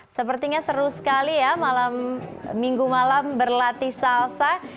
sepertinya seru sekali ya minggu malam berlatih salsa